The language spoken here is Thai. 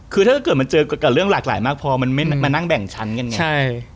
คือถ้าเกิดมันเจอกับเรื่องหลากหลายมากพอมันไม่มานั่งแบ่งชั้นกันไงใช่